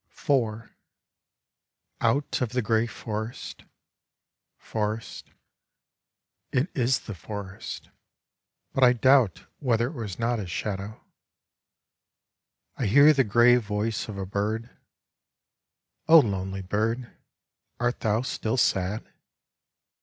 IV Out of the gray forest (Forest ? It is the forest. But I doubt whether it was not a shadow) I hear the gray voice of a bird. Oh, lonely bird, art thou still sad?